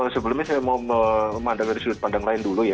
sebelumnya saya mau memandang dari sudut pandang lain dulu ya